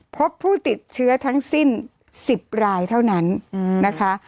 พบผู้ติดเชื้อทั้งสิ้น๑๐รายเท่านั้นนะคะ